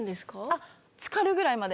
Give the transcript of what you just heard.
あっつかるぐらいまで。